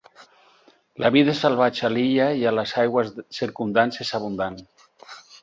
La vida salvatge a l'illa i a les aigües circumdants és abundant.